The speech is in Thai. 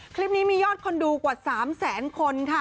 คลิปนี้มียอดคนดูกว่า๓แสนคนค่ะ